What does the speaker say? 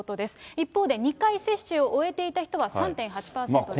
一方で２回接種を終えていた人は３．８％です。